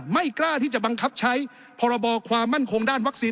ไม่กล้าที่จะบังคับใช้พรบความมั่นคงด้านวัคซีน